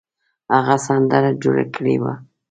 هغه سندره جوړه کړې وه.